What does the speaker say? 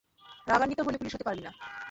রাগান্বিত হলে পুলিশ হতে পারবি না।